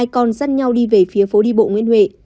hai con dắt nhau đi về phía phố đi bộ nguyễn huệ